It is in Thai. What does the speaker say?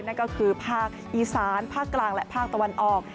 นั่นก็คือภาคอีสานภาคกลางและภาคตะวันออก